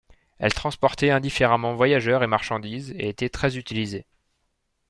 Elle transportait indifféremment voyageurs et marchandises et était très utilisée.